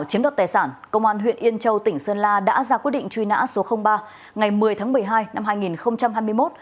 công an huyện yên châu tỉnh sơn la đã ra quyết định truy nã số ba ngày một mươi tháng một mươi hai năm hai nghìn hai mươi một